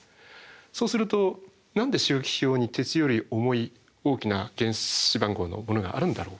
そうすると何で周期表に鉄より重い大きな原子番号のものがあるんだろうか？